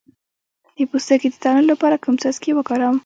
د پوستکي د دانو لپاره کوم څاڅکي وکاروم؟